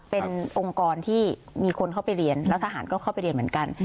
เป็นองค์กรที่มีคนเข้าไปเรียนแล้วทหารก็เข้าไปเรียนเหมือนกัน